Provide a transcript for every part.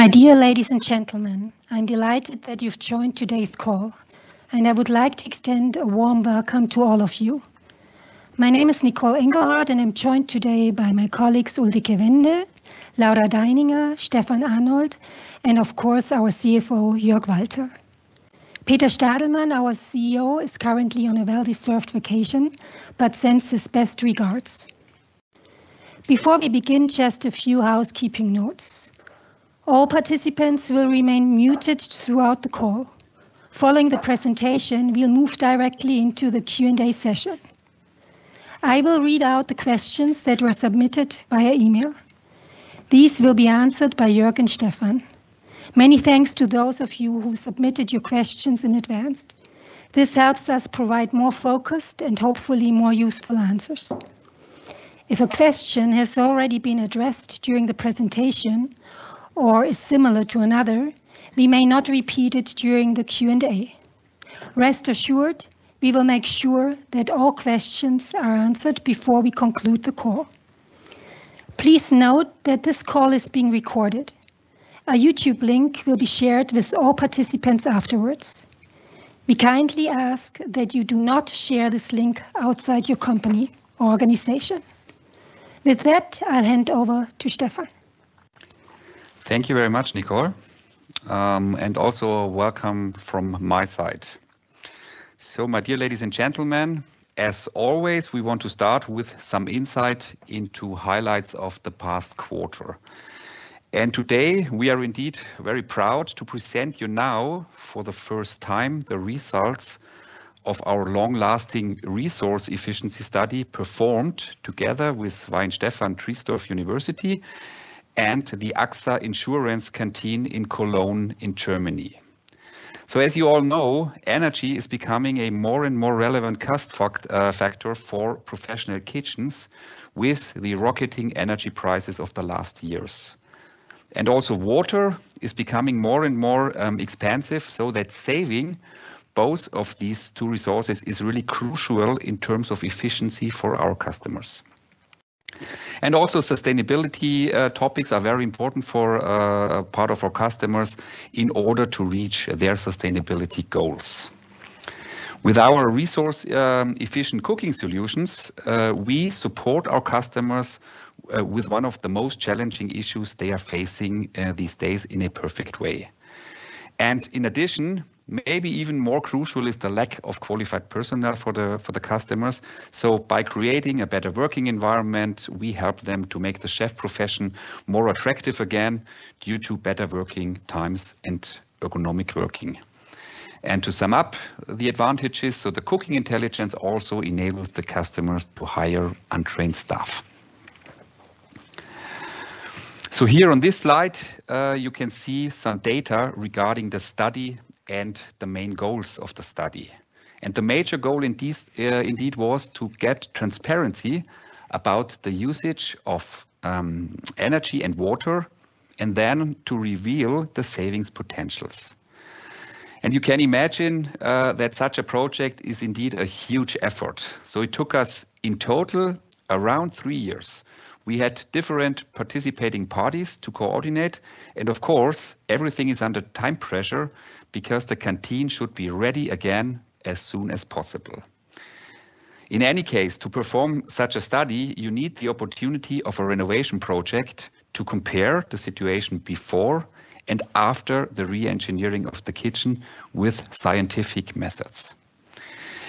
My dear ladies and gentlemen, I'm delighted that you've joined today's call, and I would like to extend a warm welcome to all of you. My name is Nicole Engelhardt, and I'm joined today by my colleagues [Ulrich Koppmaier], Laura Deininger, Stefan Arnold, and of course, our CFO, Jörg Walter. Peter Stadelmann, our CEO, is currently on a well-deserved vacation, but sends his best regards. Before we begin, just a few housekeeping notes. All participants will remain muted throughout the call. Following the presentation, we'll move directly into the Q&A session. I will read out the questions that were submitted via email. These will be answered by Jörg and Stefan. Many thanks to those of you who submitted your questions in advance. This helps us provide more focused and hopefully more useful answers. If a question has already been addressed during the presentation or is similar to another, we may not repeat it during the Q&A. Rest assured, we will make sure that all questions are answered before we conclude the call. Please note that this call is being recorded. A YouTube link will be shared with all participants afterwards. We kindly ask that you do not share this link outside your company or organization. With that, I'll hand over to Stefan. Thank you very much, Nicole. Also, a welcome from my side. My dear ladies and gentlemen, as always, we want to start with some insight into highlights of the past quarter. Today, we are indeed very proud to present you now for the first time the results of our long-lasting resource efficiency study performed together with Weihenstephan-Triesdorf University and the AXA Insurance canteen in Cologne in Germany. As you all know, energy is becoming a more and more relevant cost factor for professional kitchens with the rocketing energy prices of the last years. Also, water is becoming more and more expensive, so that saving both of these two resources is really crucial in terms of efficiency for our customers. Sustainability topics are very important for part of our customers in order to reach their sustainability goals. With our resource-efficient cooking solutions, we support our customers with one of the most challenging issues they are facing these days in a perfect way. In addition, maybe even more crucial is the lack of qualified personnel for the customers. By creating a better working environment, we help them to make the chef profession more attractive again due to better working times and ergonomic working. To sum up the advantages, the cooking intelligence also enables the customers to hire untrained staff. Here on this slide, you can see some data regarding the study and the main goals of the study. The major goal indeed was to get transparency about the usage of energy and water, and then to reveal the savings potentials. You can imagine that such a project is indeed a huge effort. It took us in total around three years. We had different participating parties to coordinate, and of course, everything is under time pressure because the canteen should be ready again as soon as possible. In any case, to perform such a study, you need the opportunity of a renovation project to compare the situation before and after the re-engineering of the kitchen with scientific methods.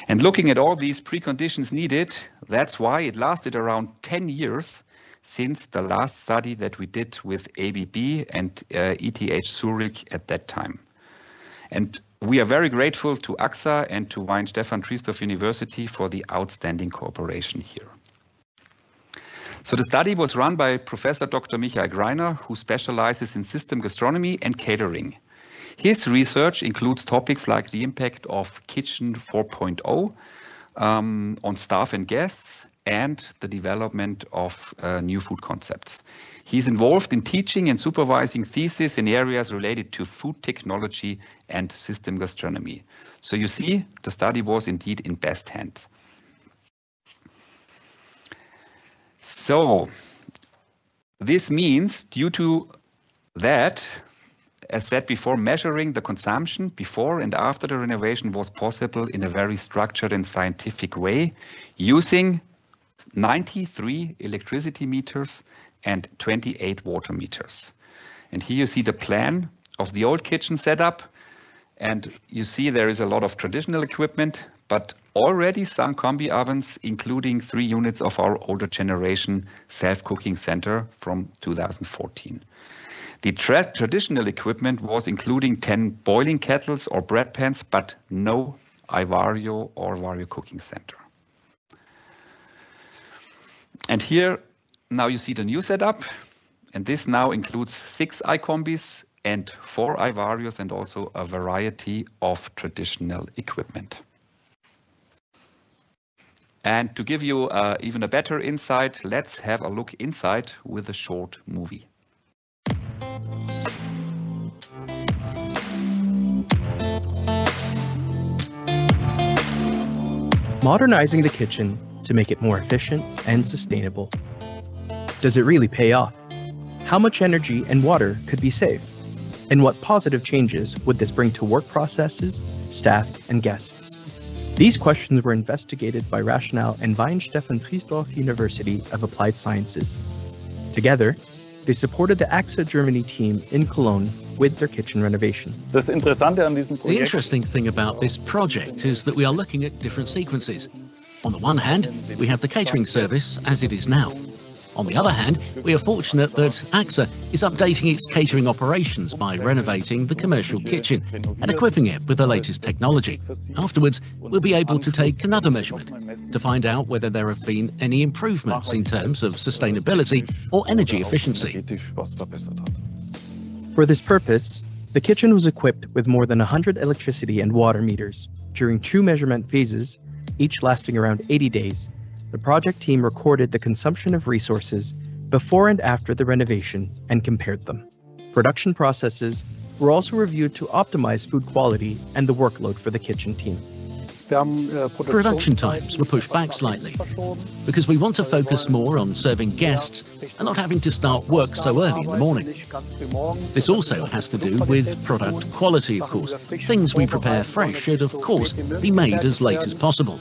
Looking at all these preconditions needed, that's why it lasted around 10 years since the last study that we did with ABB and ETH Zurich at that time. We are very grateful to AXA and to Weihenstephan-Triesdorf University for the outstanding cooperation here. The study was run by Professor Dr. Michael Greiner, who specializes in system gastronomy and catering. His research includes topics like the impact of Kitchen 4.0 on staff and guests and the development of new food concepts. He's involved in teaching and supervising thesis in areas related to food technology and system gastronomy. You see, the study was indeed in best hand. This means, as said before, measuring the consumption before and after the renovation was possible in a very structured and scientific way using 93 electricity meters and 28 water meters. Here you see the plan of the old kitchen setup, and you see there is a lot of traditional equipment, but already some combi ovens, including three units of our older generation SelfCooking Center from 2014. The traditional equipment was including 10 boiling kettles or bread pans, but no iVario or iVario cooking center. Here now you see the new setup, and this now includes six iCombi and four iVario and also a variety of traditional equipment. To give you even a better insight, let's have a look inside with a short movie. Modernizing the kitchen to make it more efficient and sustainable. Does it really pay off? How much energy and water could be saved? What positive changes would this bring to work processes, staff, and guests? These questions were investigated by RATIONAL and Weihenstephan-Triesdorf University of Applied Sciences. Together, they supported the AXA Germany team in Cologne with their kitchen renovation. The interesting thing about this project is that we are looking at different sequences. On the one hand, we have the catering service as it is now. On the other hand, we are fortunate that AXA is updating its catering operations by renovating the commercial kitchen and equipping it with the latest technology. Afterwards, we'll be able to take another measurement to find out whether there have been any improvements in terms of sustainability or energy efficiency. For this purpose, the kitchen was equipped with more than 100 electricity and water meters. During two measurement phases, each lasting around 80 days, the project team recorded the consumption of resources before and after the renovation and compared them. Production processes were also reviewed to optimize food quality and the workload for the kitchen team. Production times were pushed back slightly because we want to focus more on serving guests and not having to start work so early in the morning. This also has to do with product quality, of course. Things we prepare fresh should, of course, be made as late as possible.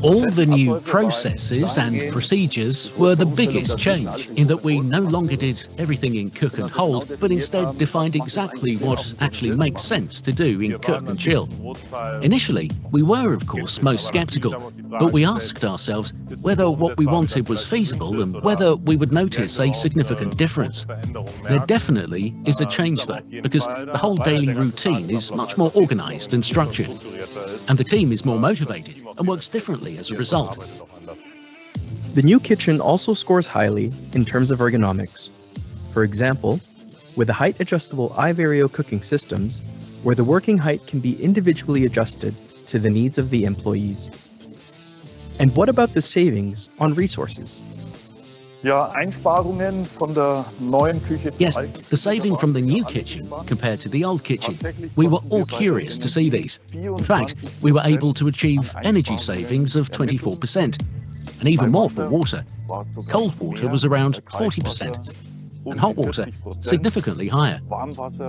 All the new processes and procedures were the biggest change in that we no longer did everything in cook and hold, but instead defined exactly what actually makes sense to do in cook and chill. Initially, we were, of course, most skeptical, but we asked ourselves whether what we wanted was feasible and whether we would notice a significant difference. There definitely is a change, though, because the whole daily routine is much more organized and structured, and the team is more motivated and works differently as a result. The new kitchen also scores highly in terms of ergonomics. For example, with the height-adjustable iVario cooking systems, where the working height can be individually adjusted to the needs of the employees. What about the savings on resources? Yes, the saving from the new kitchen compared to the old kitchen, we were all curious to see these. In fact, we were able to achieve energy savings of 24%, and even more for water. Cold water was around 40%, and hot water significantly higher.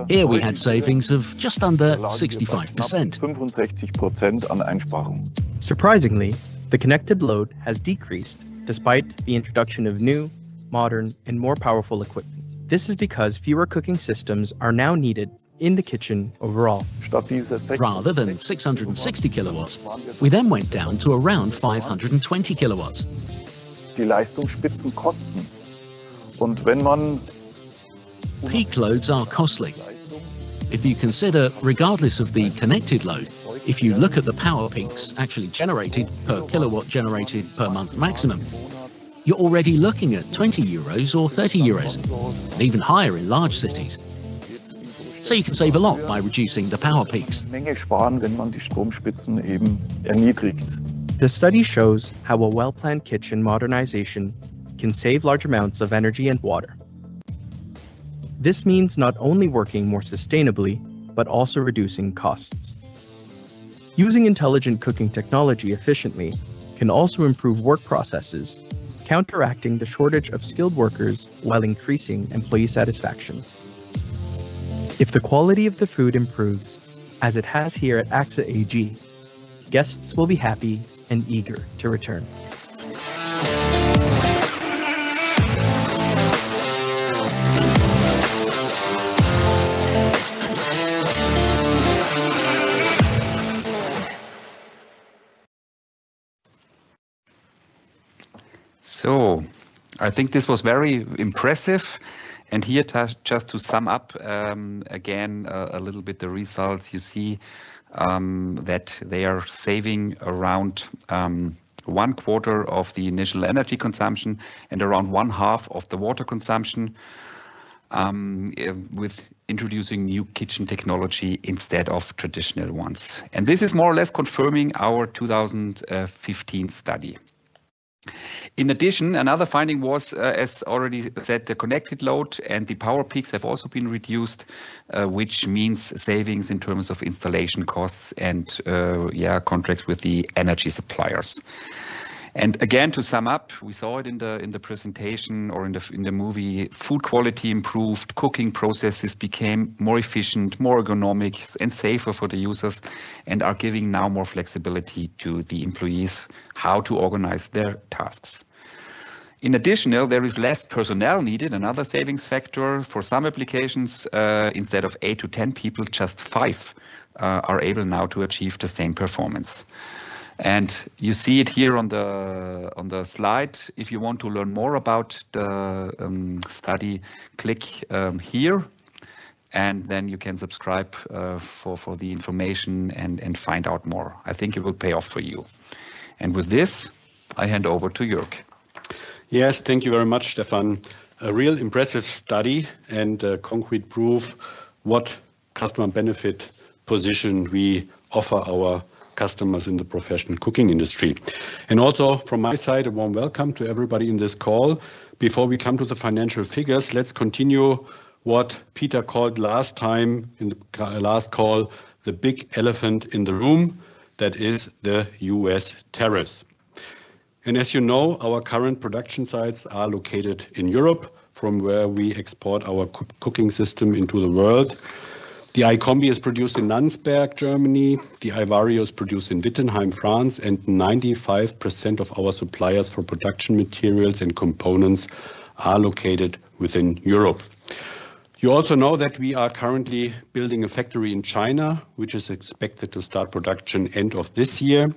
Here we had savings of just under 65%. Surprisingly, the connected load has decreased despite the introduction of new, modern, and more powerful equipment. This is because fewer cooking systems are now needed in the kitchen overall. Rather than 660 kW, we then went down to around 520 kW. The peak loads are costly. If you consider, regardless of the connected load, if you look at the power peaks actually generated per kilowatt generated per month maximum, you're already looking at 20 euros or 30 euros, and even higher in large cities. You can save a lot by reducing the power peaks. The study shows how a well-planned kitchen modernization can save large amounts of energy and water. This means not only working more sustainably, but also reducing costs. Using intelligent cooking technology efficiently can also improve work processes, counteracting the shortage of skilled workers while increasing employee satisfaction. If the quality of the food improves, as it has here at AXA AG, guests will be happy and eager to return. I think this was very impressive. Here, just to sum up again a little bit the results, you see that they are saving around 1/4 of the initial energy consumption and around 1/2 of the water consumption with introducing new kitchen technology instead of traditional ones. This is more or less confirming our 2015 study. In addition, another finding was, as already said, the connected load and the power peaks have also been reduced, which means savings in terms of installation costs and contracts with the energy suppliers. Again, to sum up, we saw it in the presentation or in the movie, food quality improved, cooking processes became more efficient, more ergonomic, and safer for the users, and are giving now more flexibility to the employees how to organize their tasks. In addition, there is less personnel needed, another savings factor for some applications. Instead of eight to 10 people, just five are able now to achieve the same performance. You see it here on the slide. If you want to learn more about the study, click here, and then you can subscribe for the information and find out more. I think it will pay off for you. With this, I hand over to Jörg. Yes, thank you very much, Stefan. A real impressive study and concrete proof of what customer benefit position we offer our customers in the professional cooking industry. Also, from my side, a warm welcome to everybody in this call. Before we come to the financial figures, let's continue what Peter called last time in the last call, the big elephant in the room, that is the U.S. tariffs. As you know, our current production sites are located in Europe, from where we export our cooking system into the world. The iCombi is produced in Landsberg, Germany. The iVario is produced in Wittenheim, France. 95% of our suppliers for production materials and components are located within Europe. You also know that we are currently building a factory in China, which is expected to start production end of this year.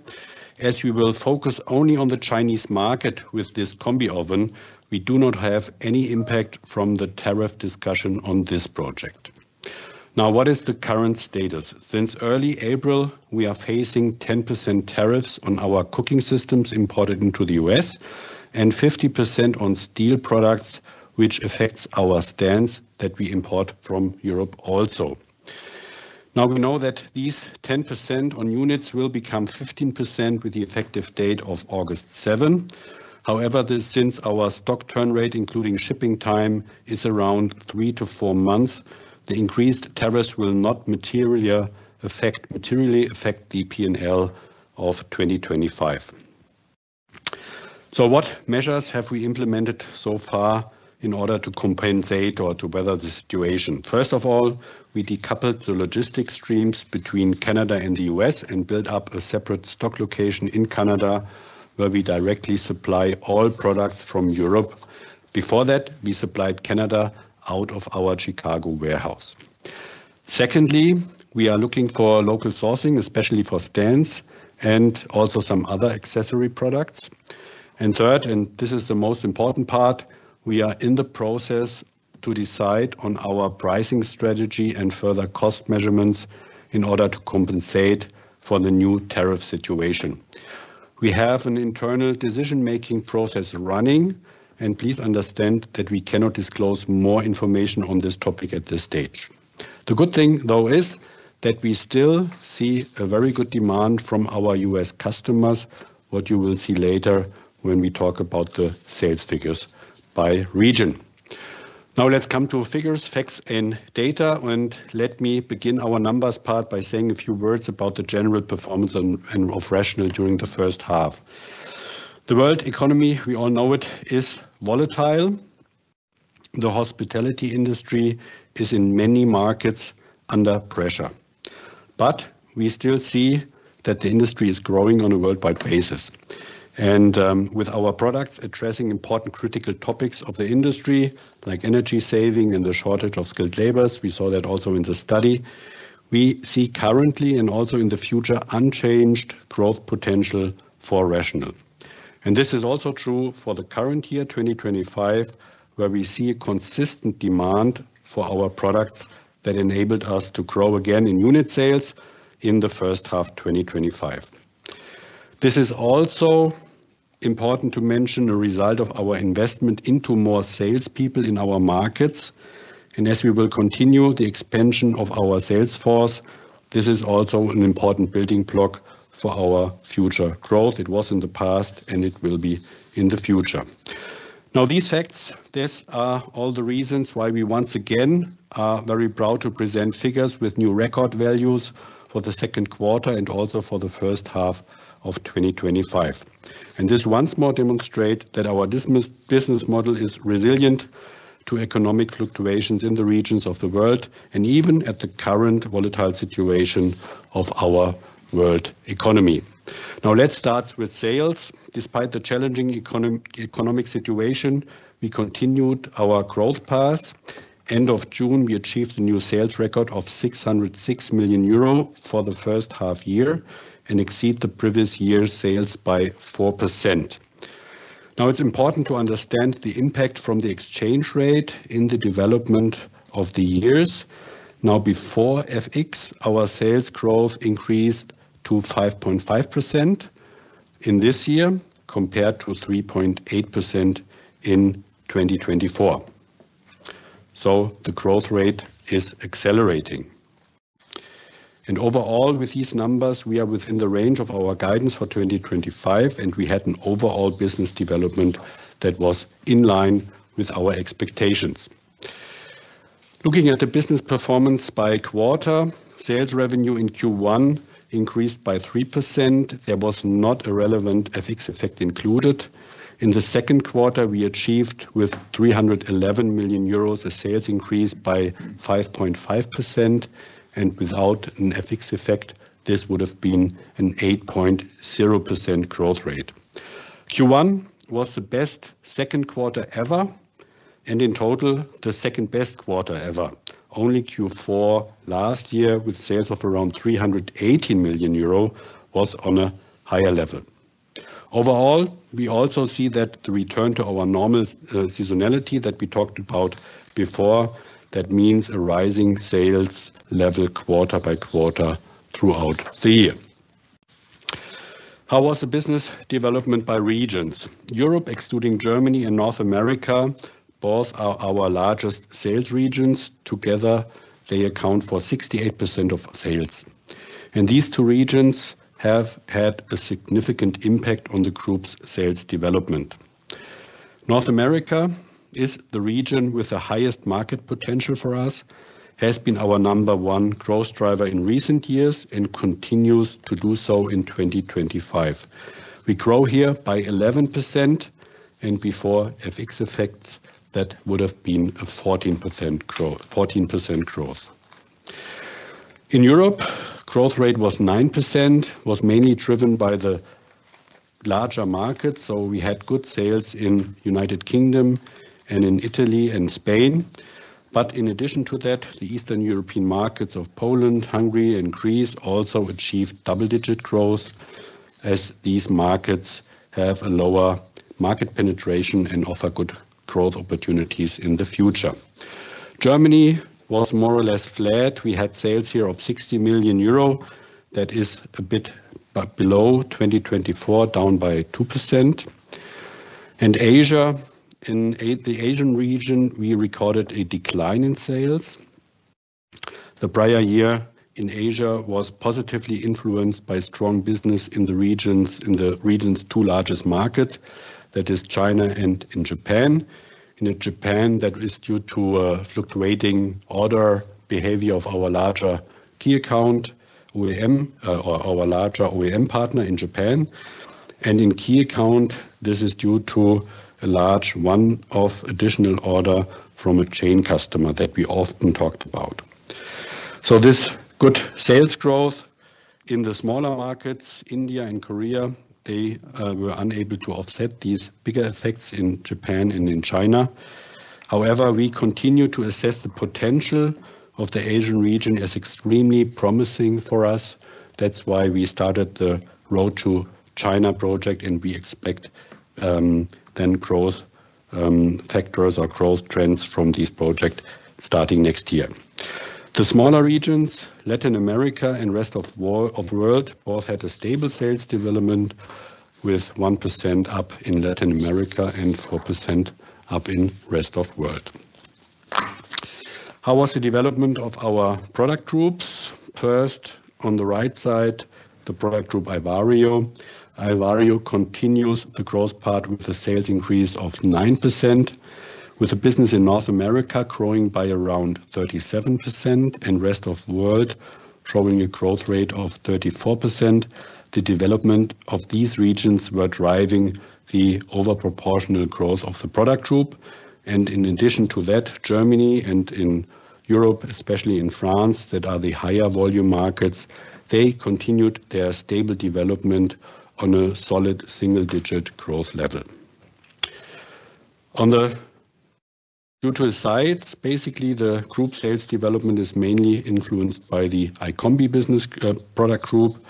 As we will focus only on the Chinese market with this combi oven, we do not have any impact from the tariff discussion on this project. Now, what is the current status? Since early April, we are facing 10% tariffs on our cooking systems imported into the U.S. and 50% on steel products, which affects our stands that we import from Europe also. We know that these 10% on units will become 15% with the effective date of August 7. However, since our stock turn rate, including shipping time, is around three to four months, the increased tariffs will not materially affect the P&L of 2025. What measures have we implemented so far in order to compensate or to better the situation? First of all, we decoupled the logistics streams between Canada and the U.S. and built up a separate stock location in Canada, where we directly supply all products from Europe. Before that, we supplied Canada out of our Chicago warehouse. Secondly, we are looking for local sourcing, especially for stands and also some other accessory products. Third, and this is the most important part, we are in the process to decide on our pricing strategy and further cost measurements in order to compensate for the new tariff situation. We have an internal decision-making process running, and please understand that we cannot disclose more information on this topic at this stage. The good thing, though, is that we still see a very good demand from our U.S. customers, what you will see later when we talk about the sales figures by region. Now, let's come to figures, facts, and data. Let me begin our numbers part by saying a few words about the general performance of RATIONAL during the first half. The world economy, we all know it, is volatile. The hospitality industry is in many markets under pressure. We still see that the industry is growing on a worldwide basis. With our products addressing important critical topics of the industry, like energy saving and the shortage of skilled labor, we saw that also in the study. We see currently and also in the future unchanged growth potential for RATIONAL. This is also true for the current year, 2025, where we see a consistent demand for our products that enabled us to grow again in unit sales in the first half of 2025. This is also important to mention as a result of our investment into more salespeople in our markets. As we will continue the expansion of our sales force, this is also an important building block for our future growth. It was in the past, and it will be in the future. These facts are all the reasons why we once again are very proud to present figures with new record values for the second quarter and also for the first half of 2025. This once more demonstrates that our business model is resilient to economic fluctuations in the regions of the world and even at the current volatile situation of our world economy. Let's start with sales. Despite the challenging economic situation, we continued our growth path. End of June, we achieved a new sales record of 606 million euro for the first half year and exceeded the previous year's sales by 4%. It's important to understand the impact from the exchange rate in the development of the years. Before FX, our sales growth increased to 5.5% in this year compared to 3.8% in 2024. The growth rate is accelerating. Overall, with these numbers, we are within the range of our guidance for 2025, and we had an overall business development that was in line with our expectations. Looking at the business performance by quarter, sales revenue in Q1 increased by 3%. There was not a relevant FX effect included. In the second quarter, we achieved with 311 million euros a sales increase by 5.5%. Without an FX effect, this would have been an 8.0% growth rate. Q1 was the best second quarter ever, and in total, the second best quarter ever. Only Q4 last year, with sales of around 318 million euro, was on a higher level. Overall, we also see that the return to our normal seasonality that we talked about before, that means a rising sales level quarter by quarter throughout the year. How was the business development by regions? Europe excluding Germany and North America, both are our largest sales regions. Together, they account for 68% of sales. These two regions have had a significant impact on the group's sales development. North America is the region with the highest market potential for us, has been our number one growth driver in recent years and continues to do so in 2025. We grow here by 11%, and before FX effects, that would have been a 14% growth. In Europe, the growth rate was 9%, mainly driven by the larger markets. We had good sales in United Kingdom and in Italy and Spain. In addition to that, the Eastern European markets of Poland, Hungary, and Greece also achieved double-digit growth, as these markets have a lower market penetration and offer good growth opportunities in the future. Germany was more or less flat. We had sales here of 60 million euro. That is a bit below 2024, down by 2%. In Asia, in the Asian region, we recorded a decline in sales. The prior year in Asia was positively influenced by strong business in the region's two largest markets, that is China and in Japan. In Japan, that is due to a fluctuating order behavior of our larger key account, OEM, or our larger OEM partner in Japan. In key account, this is due to a large one-off additional order from a chain customer that we often talked about. This good sales growth in the smaller markets, India and Korea, they were unable to offset these bigger effects in Japan and in China. However, we continue to assess the potential of the Asian region as extremely promising for us. That's why we started the “Road to China” project, and we expect growth factors or growth trends from this project starting next year. The smaller regions, Latin America and the rest of the world, both had a stable sales development with 1% up in Latin America and 4% up in the rest of the world. How was the development of our product groups? First, on the right side, the product group iVario. iVario continues the growth path with a sales increase of 9%, with the business in North America growing by around 37% and the rest of the world showing a growth rate of 34%. The development of these regions was driving the overproportional growth of the product group. In addition to that, Germany and in Europe, especially in France, that are the higher volume markets, they continued their stable development on a solid single-digit growth level. On the neutral sides, basically, the group sales development is mainly influenced by the iCombi business product group.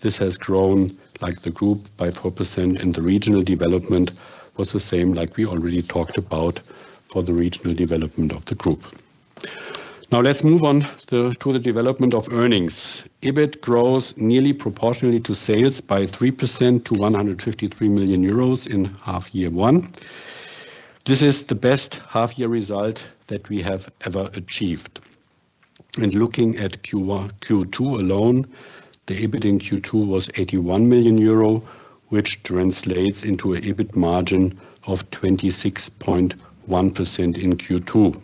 This has grown like the group by 4%, and the regional development was the same, like we already talked about, for the regional development of the group. Now, let's move on to the development of earnings. EBIT grows nearly proportionately to sales by 3% to 153 million euros in half year one. This is the best half-year result that we have ever achieved. Looking at Q2 alone, the EBIT in Q2 was 81 million euro, which translates into an EBIT margin of 26.1% in Q2.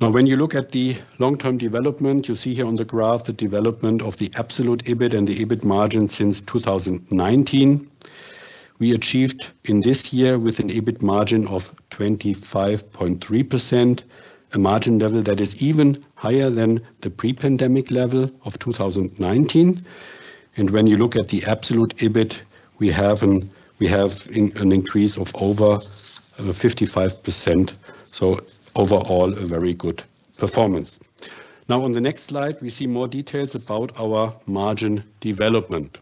When you look at the long-term development, you see here on the graph the development of the absolute EBIT and the EBIT margin since 2019. We achieved in this year with an EBIT margin of 25.3%, a margin level that is even higher than the pre-pandemic level of 2019. When you look at the absolute EBIT, we have an increase of over 55%. Overall, a very good performance. On the next slide, we see more details about our margin development.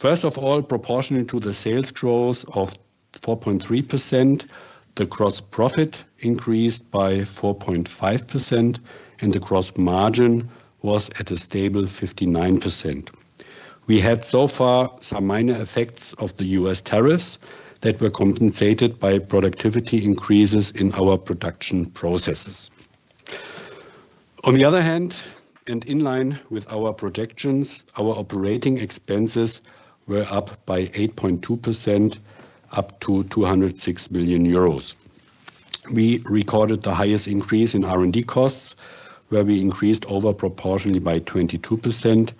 First of all, proportionate to the sales growth of 4.3%, the gross profit increased by 4.5%, and the gross margin was at a stable 59%. We had so far some minor effects of the U.S. tariffs that were compensated by productivity increases in our production processes. On the other hand, and in line with our projections, our operating expenses were up by 8.2%, up to 206 million euros. We recorded the highest increase in R&D costs, where we increased overproportionately by 22%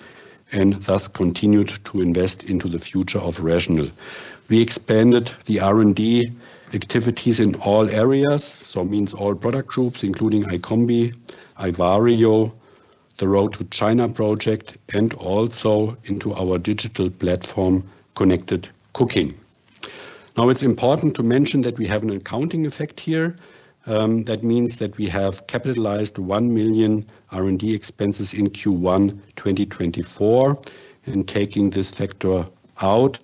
and thus continued to invest into the future of RATIONAL. We expanded the R&D activities in all areas, so it means all product groups, including iCombi, iVario, the "Road to China" project, and also into our digital platform, ConnectedCooking. It's important to mention that we have an accounting effect here. That means that we have capitalized 1 million R&D expenses in Q1 2024, and taking this factor out,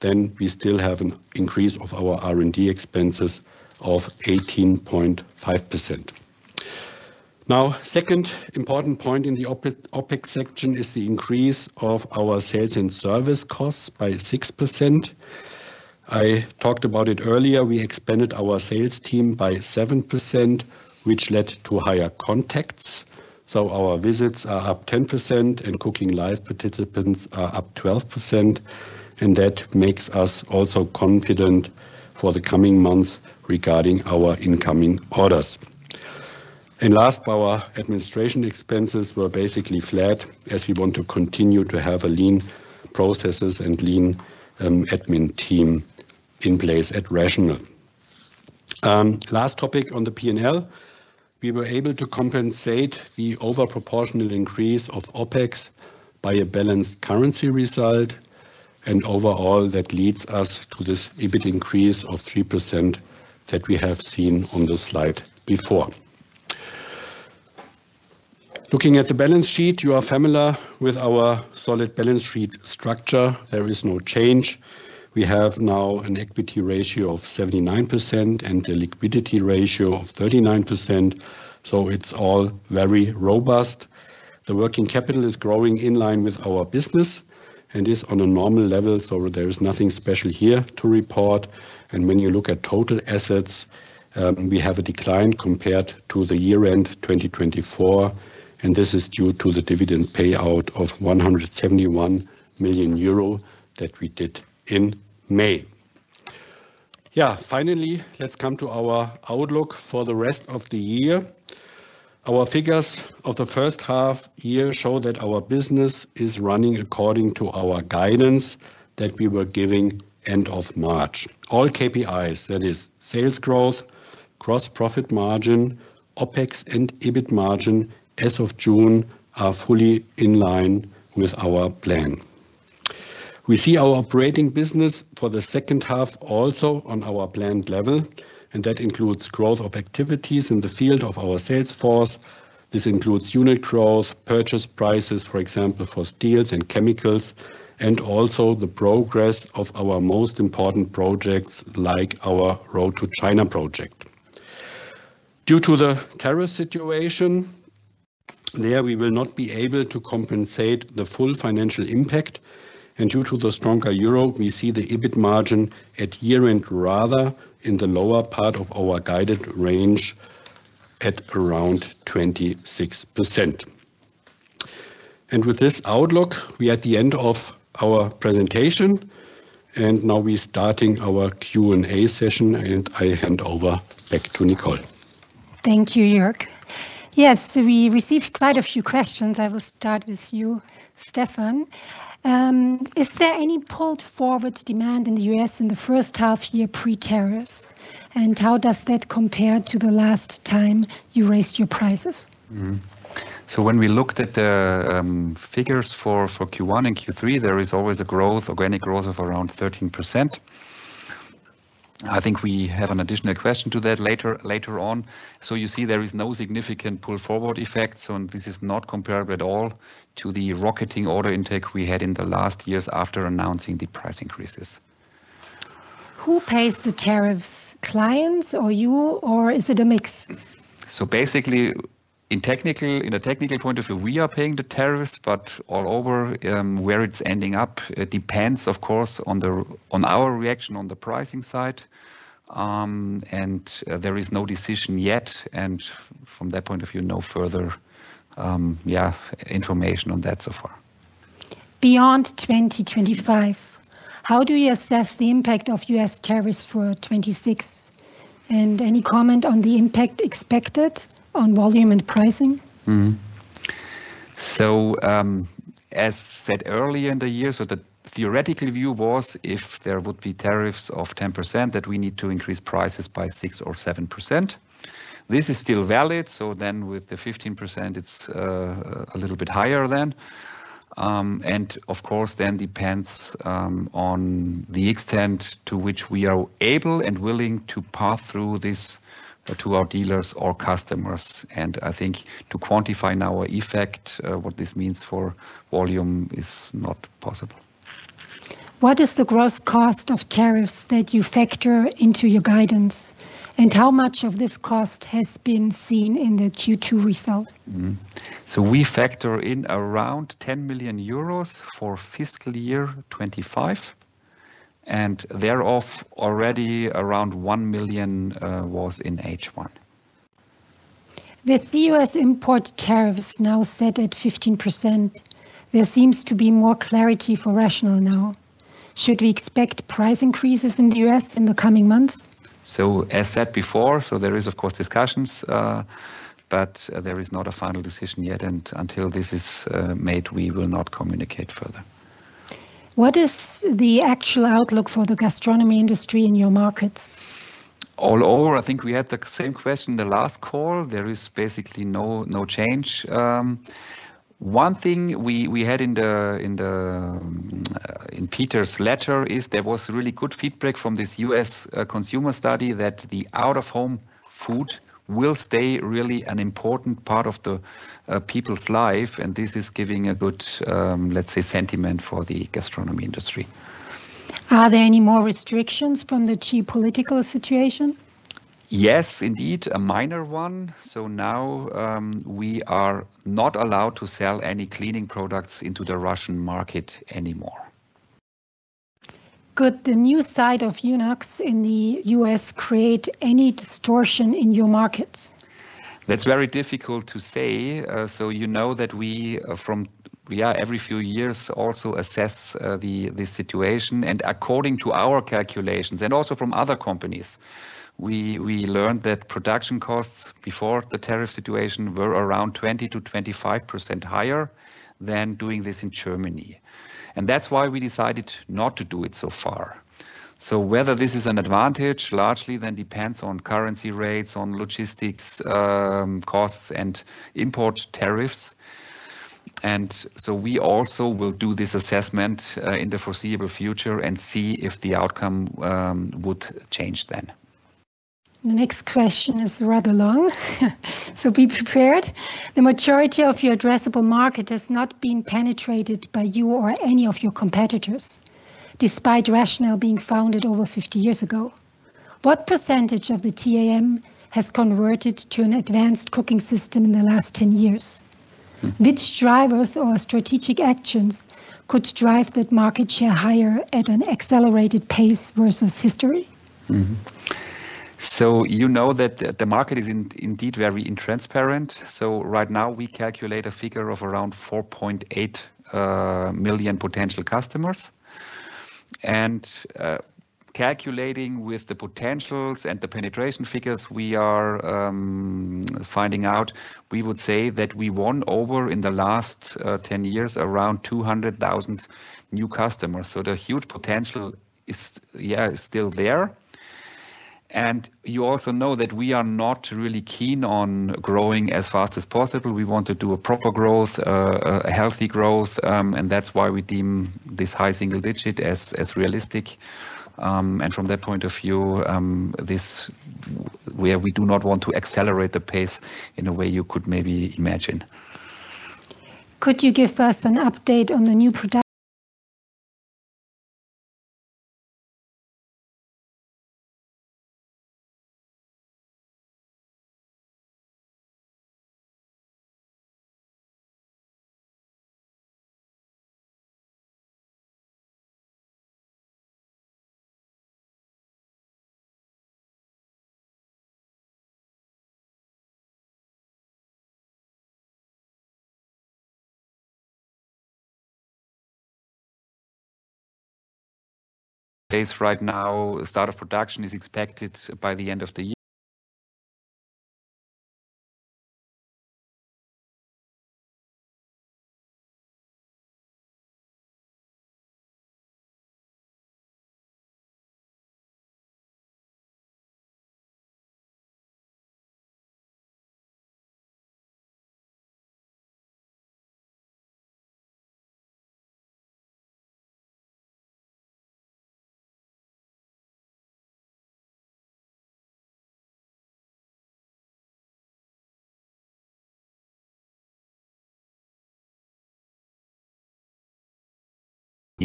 then we still have an increase of our R&D expenses of 18.5%. The second important point in the OpEx section is the increase of our sales and service costs by 6%. I talked about it earlier. We expanded our sales team by 7%, which led to higher contacts. Our visits are up 10%, and cooking live participants are up 12%. That makes us also confident for the coming months regarding our incoming orders. Last, our administration expenses were basically flat, as we want to continue to have lean processes and a lean admin team in place at RATIONAL. The last topic on the P&L, we were able to compensate the overproportional increase of OpEx by a balanced currency result. Overall, that leads us to this EBIT increase of 3% that we have seen on the slide before. Looking at the balance sheet, you are familiar with our solid balance sheet structure. There is no change. We have now an equity ratio of 79% and a liquidity ratio of 39%. It is all very robust. The working capital is growing in line with our business and is on a normal level. There is nothing special here to report. When you look at total assets, we have a decline compared to the year-end 2024. This is due to the dividend payout of 171 million euro that we did in May. Finally, let's come to our outlook for the rest of the year. Our figures of the first half year show that our business is running according to our guidance that we were giving end of March. All KPIs, that is, sales growth, gross profit margin, OpEx, and EBIT margin as of June are fully in line with our plan. We see our operating business for the second half also on our planned level. That includes growth of activities in the field of our sales force. This includes unit growth, purchase prices, for example, for steels and chemicals, and also the progress of our most important projects like our "Road to China" project. Due to the tariff situation there, we will not be able to compensate the full financial impact. Due to the stronger euro, we see the EBIT margin at year-end rather in the lower part of our guided range at around 26%. With this outlook, we are at the end of our presentation. Now we're starting our Q&A session. I hand over back to Nicole. Thank you, Jörg. Yes, we received quite a few questions. I will start with you, Stefan. Is there any pulled forward demand in the U.S. in the first half year pre-tariffs? How does that compare to the last time you raised your prices? When we looked at the figures for Q1 and Q3, there is always a growth, organic growth of around 13%. I think we have an additional question to that later on. You see there is no significant pull forward effect. This is not comparable at all to the rocketing order intake we had in the last years after announcing the price increases. Who pays the tariffs? Clients or you, or is it a mix? Basically, from a technical point of view, we are paying the tariffs, but where it's ending up depends, of course, on our reaction on the pricing side. There is no decision yet. From that point of view, no further information on that so far. Beyond 2025, how do you assess the impact of U.S. tariffs for 2026? Any comment on the impact expected on volume and pricing? As said earlier in the year, the theoretical view was if there would be tariffs of 10% that we need to increase prices by 6% or 7%. This is still valid. With the 15%, it's a little bit higher. Of course, it depends on the extent to which we are able and willing to pass through this to our dealers or customers. I think to quantify our effect, what this means for volume is not possible. What is the gross cost of tariffs that you factor into your guidance? How much of this cost has been seen in the Q2 result? We factor in around 10 million euros for fiscal year 2025. Thereof, already around 1 million was in H1. With the U.S. import tariffs now set at 15%, there seems to be more clarity for RATIONAL now. Should we expect price increases in the U.S. in the coming month? There are, of course, discussions, but there is not a final decision yet. Until this is made, we will not communicate further. What is the actual outlook for the gastronomy industry in your markets? All over, I think we had the same question in the last call. There is basically no change. One thing we had in Peter's letter is there was really good feedback from this U.S. consumer study that the out-of-home food will stay really an important part of the people's life. This is giving a good, let's say, sentiment for the gastronomy industry. Are there any more restrictions from the geopolitical situation? Yes, indeed, a minor one. Now we are not allowed to sell any cleaning products into the Russian market anymore. Could the new site of UNOX in the U.S. create any distortion in your market? That's very difficult to say. You know that we, every few years, also assess the situation. According to our calculations and also from other companies, we learned that production costs before the tariff situation were around 20%-25% higher than doing this in Germany. That's why we decided not to do it so far. Whether this is an advantage largely then depends on currency rates, logistics costs, and import tariffs. We also will do this assessment in the foreseeable future and see if the outcome would change then. Next question is rather long. Be prepared. The majority of your addressable market has not been penetrated by you or any of your competitors, despite RATIONAL being founded over 50 years ago. What percentage of the TAM has converted to an advanced cooking system in the last 10 years? Which drivers or strategic actions could drive that market share higher at an accelerated pace versus history? You know that the market is indeed very intransparent. Right now, we calculate a figure of around 4.8 million potential customers. Calculating with the potentials and the penetration figures we are finding out, we would say that we won over in the last 10 years around 200,000 new customers. The huge potential is, yeah, still there. You also know that we are not really keen on growing as fast as possible. We want to do a proper growth, a healthy growth. That's why we deem this high single-digit as realistic. From that point of view, this is where we do not want to accelerate the pace in a way you could maybe imagine. Could you give us an update on the new? Days right now, start of production is expected by the end of the year.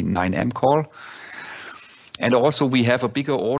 In 9M call, we have a bigger order.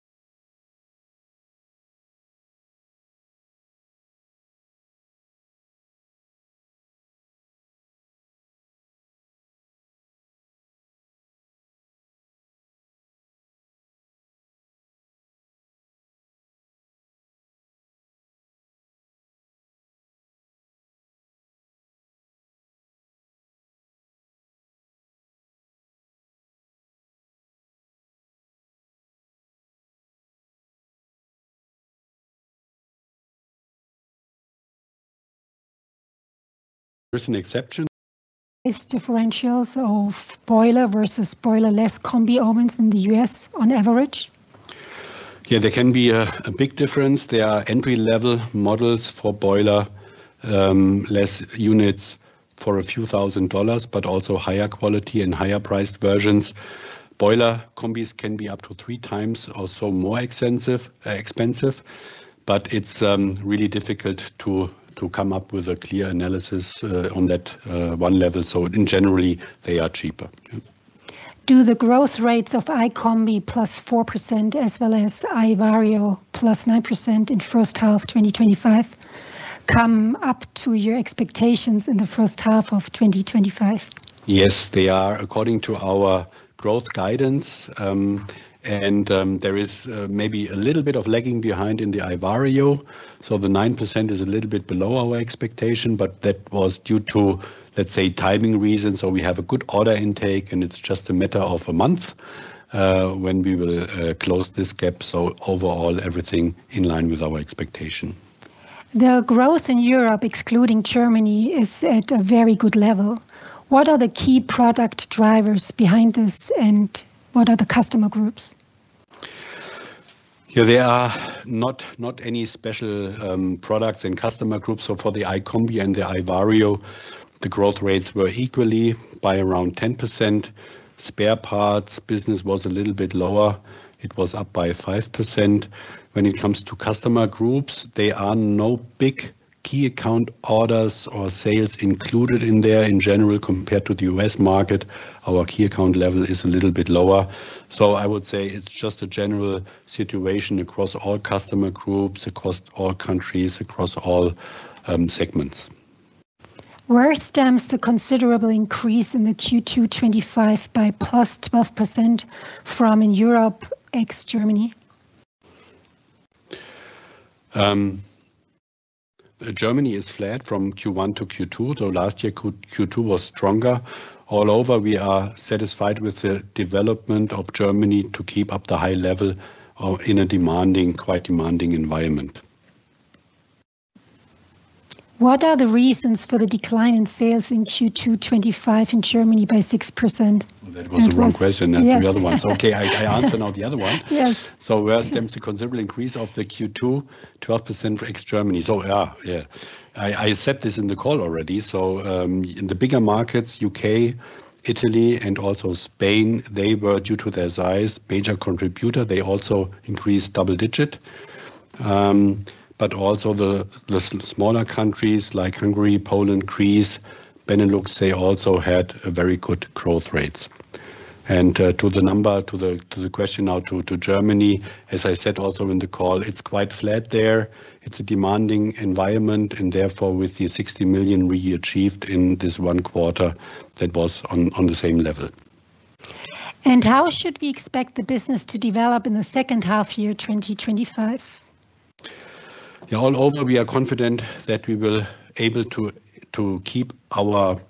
There's an exception. Is differentials of boiler versus boiler-less combi ovens in the U.S. on average? Yeah, there can be a big difference. There are entry-level models for boiler-less units for a few thousand dollars, but also higher quality and higher priced versions. Boiler combis can be up to 3x or so more expensive. It's really difficult to come up with a clear analysis on that one level. In general, they are cheaper. Do the growth rates of iCombi +4% as well as iVario +9% in the first half of 2025 come up to your expectations in the first half of 2025? Yes, they are, according to our growth guidance. There is maybe a little bit of lagging behind in the iVario. The 9% is a little bit below our expectation, but that was due to, let's say, timing reasons. We have a good order intake, and it's just a matter of a month when we will close this gap. Overall, everything in line with our expectation. The growth in Europe excluding Germany is at a very good level. What are the key product drivers behind this, and what are the customer groups? Yeah, there are not any special products and customer groups. For the iCombi and the iVario, the growth rates were equally by around 10%. Spare parts business was a little bit lower. It was up by 5%. When it comes to customer groups, there are no big key account orders or sales included in there. In general, compared to the U.S. market, our key account level is a little bit lower. I would say it's just a general situation across all customer groups, across all countries, across all segments. Where stems the considerable increase in the Q2 2025 by +12% from in Europe ex-Germany? Germany is flat from Q1 to Q2, though last year Q2 was stronger. All over, we are satisfied with the development of Germany to keep up the high level in a quite demanding environment. What are the reasons for the decline in sales in Q2 2025 in Germany by 6%? That was a wrong question. Okay, I answer now the other one. Yeah. Where stems the considerable increase of the Q2 12% ex-Germany? I said this in the call already. In the bigger markets, U.K., Italy, and also Spain, they were, due to their size, a major contributor. They also increased double digit. Also, the smaller countries like Hungary, Poland, Greece, Benelux, they also had very good growth rates. To the question now to Germany, as I said also in the call, it's quite flat there. It's a demanding environment. Therefore, with the 60 million we achieved in this one quarter, that was on the same level. How should we expect the business to develop in the second half year 2025? All over, we are confident that we will be able to keep our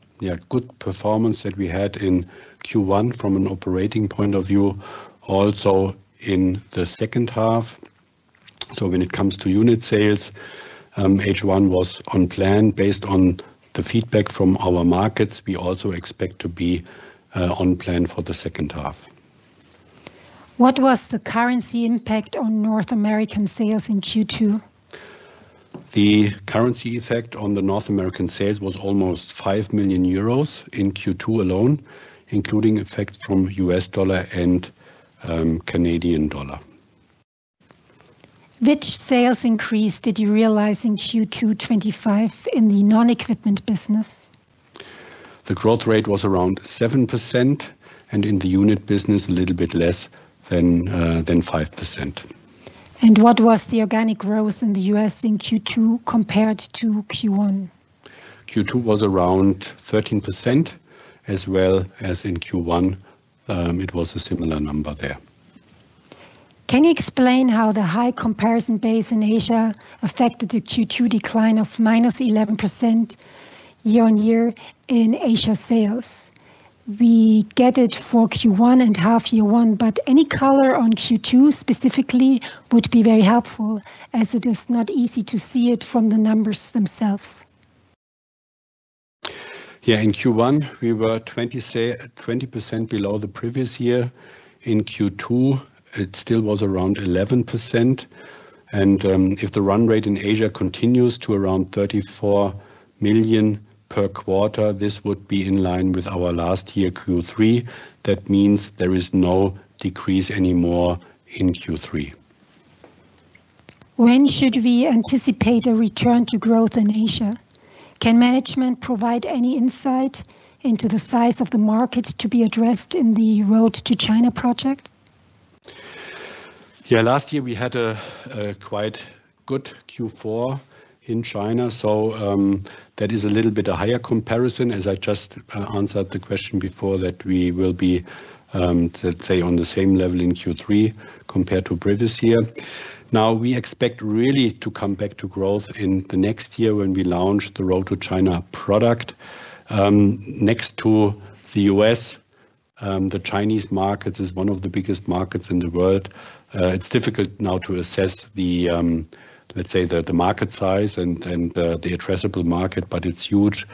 good performance that we had in Q1 from an operating point of view, also in the second half. When it comes to unit sales, H1 was on plan based on the feedback from our markets. We also expect to be on plan for the second half. What was the currency impact on North American sales in Q2? The currency effect on the North American sales was almost 5 million euros in Q2 alone, including effects from U.S. dollar and Canadian dollar. Which sales increase did you realize in Q2 2025 in the non-equipment business? The growth rate was around 7%, and in the unit business a little bit less than 5%. What was the organic growth in the U.S. in Q2 compared to Q1? Q2 was around 13% as well as in Q1. It was a similar number there. Can you explain how the high comparison base in Asia affected the Q2 decline of -11% year-on-year in Asia sales? We get it for Q1 and half year one, but any color on Q2 specifically would be very helpful as it is not easy to see it from the numbers themselves. In Q1, we were 20% below the previous year. In Q2, it still was around 11%. If the run rate in Asia continues to around 34 million per quarter, this would be in line with our last year Q3. That means there is no decrease anymore in Q3. When should we anticipate a return to growth in Asia? Can management provide any insight into the size of the market to be addressed in the “Road to China” project? Last year we had a quite good Q4 in China. That is a little bit of a higher comparison, as I just answered the question before that we will be, let's say, on the same level in Q3 compared to the previous year. Now, we expect really to come back to growth in the next year when we launch the “Road to China” product. Next to the U.S., the Chinese market is one of the biggest markets in the world. It's difficult now to assess the, let's say, the market size and the addressable market, but it's huge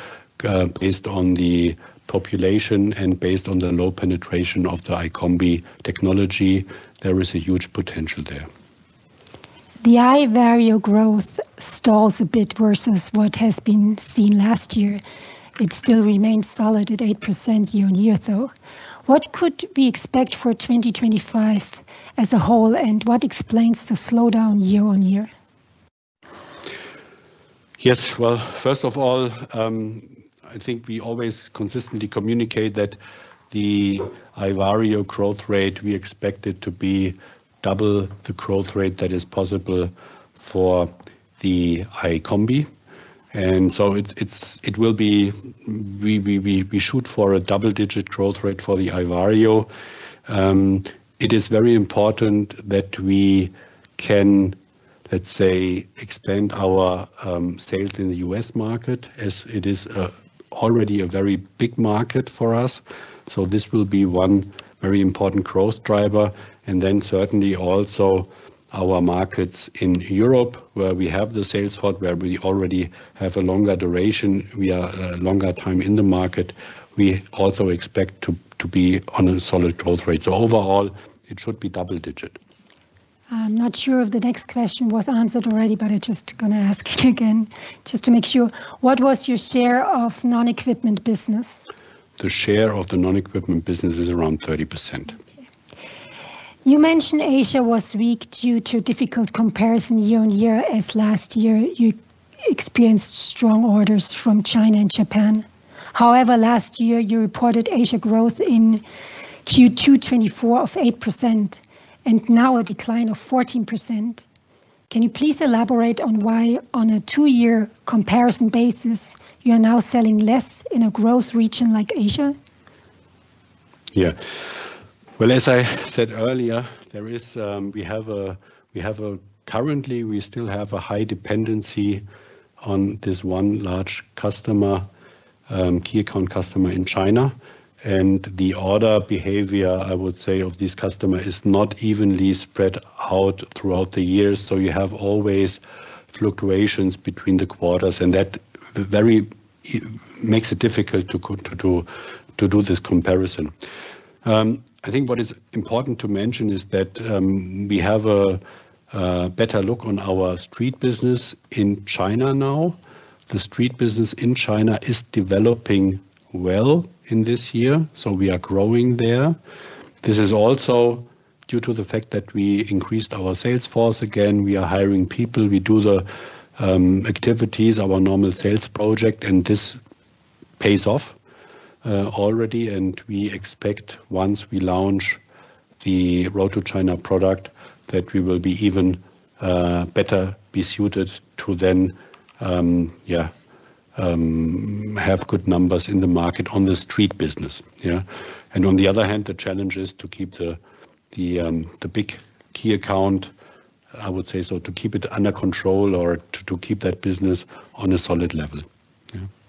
based on the population and based on the low penetration of the iCombi technology. There is a huge potential there. The iVario growth stalls a bit versus what has been seen last year. It still remains solid at 8% year-on-year, though. What could we expect for 2025 as a whole, and what explains the slowdown year-on-year? First of all, I think we always consistently communicate that the iVario growth rate, we expect it to be double the growth rate that is possible for the iCombi. It will be, we shoot for a double-digit growth rate for the iVario. It is very important that we can, let's say, expand our sales in the U.S. market, as it is already a very big market for us. This will be one very important growth driver. Certainly, also our markets in Europe, where we have the sales spot, where we already have a longer duration, we are a longer time in the market. We also expect to be on a solid growth rate. Overall, it should be double digit. I'm not sure if the next question was answered already, but I'm just going to ask it again, just to make sure. What was your share of non-equipment business? The share of the non-equipment business is around 30%. You mentioned Asia was weak due to difficult comparison year-on-year, as last year you experienced strong orders from China and Japan. However, last year you reported Asia growth in Q2 2024 of 8% and now a decline of 14%. Can you please elaborate on why, on a two-year comparison basis, you are now selling less in a growth region like Asia? As I said earlier, we have a high dependency on this one large key account customer in China. The order behavior of this customer is not evenly spread out throughout the years, so you always have fluctuations between the quarters, and that makes it very difficult to do this comparison. I think what is important to mention is that we have a better look on our street business in China now. The street business in China is developing well this year, so we are growing there. This is also due to the fact that we increased our sales force again. We are hiring people, we do the activities, our normal sales project, and this pays off already. We expect, once we launch the “Road to China” product, that we will be even better suited to then have good numbers in the market on the street business. On the other hand, the challenge is to keep the big key account, to keep it under control or to keep that business on a solid level,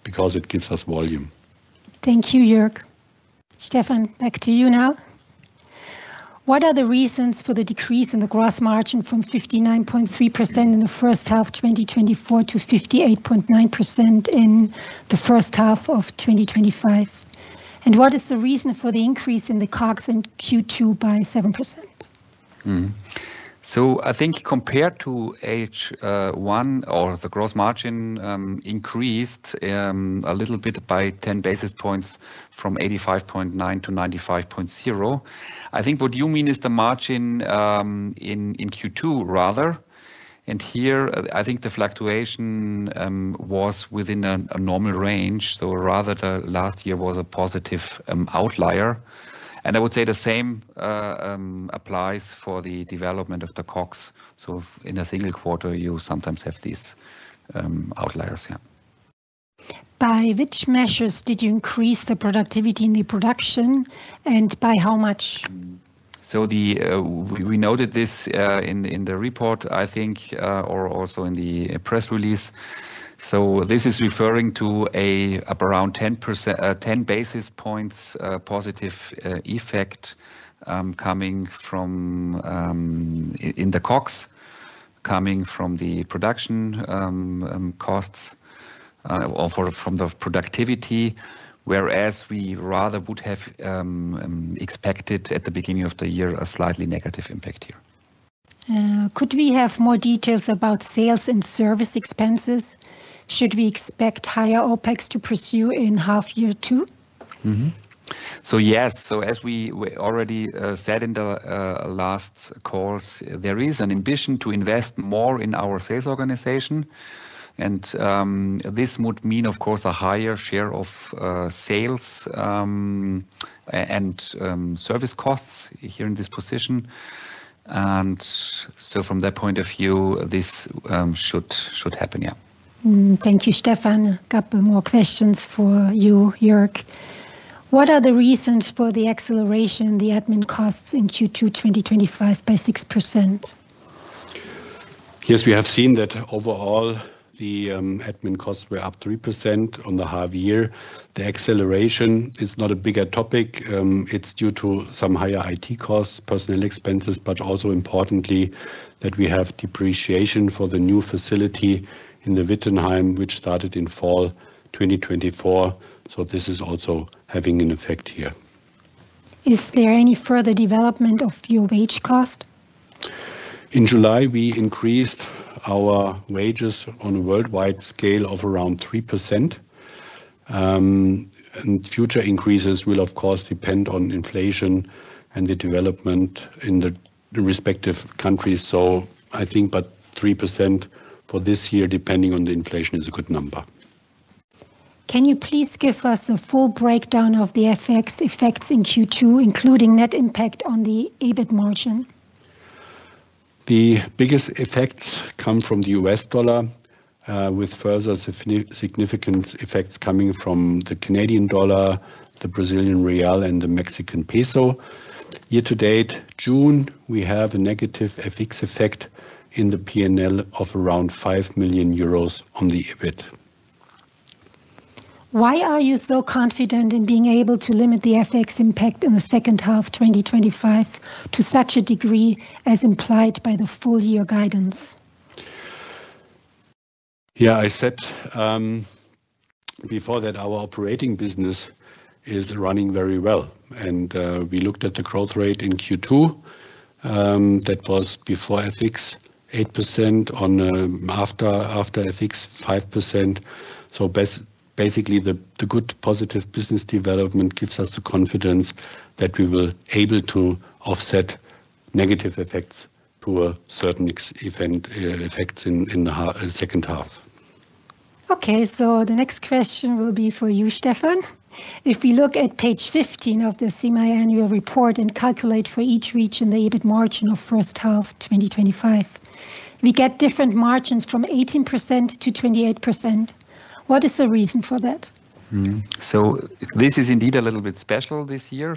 because it gives us volume. Thank you, Jörg. Stefan, back to you now. What are the reasons for the decrease in the gross margin from 59.3% in the first half of 2024 to 58.9% in the first half of 2025? What is the reason for the increase in the COGS in Q2 by 7%? I think compared to H1, the gross margin increased a little bit by 10 basis points from 85.9% to 95.0%. I think what you mean is the margin in Q2 rather. Here, I think the fluctuation was within a normal range. Rather, last year was a positive outlier. I would say the same applies for the development of the COGS. In a single quarter, you sometimes have these outliers here. By which measures did you increase the productivity in the production, and by how much? We noted this in the report, I think, or also in the press release. This is referring to around 10 basis points positive effect coming from in the COGS, coming from the production costs or from the productivity, whereas we rather would have expected at the beginning of the year a slightly negative impact here. Could we have more details about sales and service expenses? Should we expect higher OpEx to pursue in half year two? As we already said in the last calls, there is an ambition to invest more in our sales organization. This would mean, of course, a higher share of sales and service costs here in this position. From that point of view, this should happen, yeah. Thank you, Stefan. A couple more questions for you, Jörg. What are the reasons for the acceleration in the admin costs in Q2 2025 by 6%? Yes, we have seen that overall the admin costs were up 3% on the half year. The acceleration is not a bigger topic. It's due to some higher IT costs, personnel expenses, but also importantly that we have depreciation for the new facility in Wittenheim, which started in fall 2024. This is also having an effect here. Is there any further development of your wage cost? In July, we increased our wages on a worldwide scale of around 3%. Future increases will, of course, depend on inflation and the development in the respective countries. I think about 3% for this year, depending on the inflation, is a good number. Can you please give us a full breakdown of the FX effects in Q2, including net impact on the EBIT margin? The biggest effects come from the U.S. dollar, with further significant effects coming from the Canadian dollar, the Brazilian real, and the Mexican peso. Year-to-date, June, we have a negative FX effect in the P&L of around 5 million euros on the EBIT. Why are you so confident in being able to limit the FX impact in the second half of 2025 to such a degree as implied by the full year guidance? I said before that our operating business is running very well. We looked at the growth rate in Q2. That was before FX 8%, after FX 5%. Basically, the good positive business development gives us the confidence that we will be able to offset negative effects to a certain effect in the second half. Okay, the next question will be for you, Stefan. If we look at page 15 of the semiannual report and calculate for each region the EBIT margin of first half 2025, we get different margins from 18%-28%. What is the reason for that? This is indeed a little bit special this year.